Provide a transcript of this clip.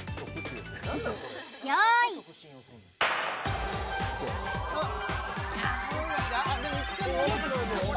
用意ああ